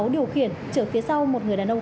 điều khiển trở phía sau một người đàn ông